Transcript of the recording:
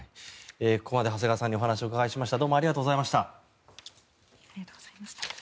ここまで長谷川さんにお話をお伺いしました。